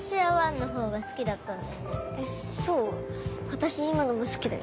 私今のも好きだよ。